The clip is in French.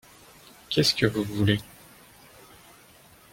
Qu'est-ce que vous voulez ?